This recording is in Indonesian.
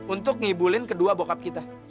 untuk ngibulin kedua bockup kita